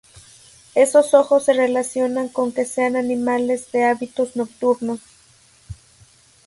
Esos ojos se relacionan con que sean animales de hábitos nocturnos.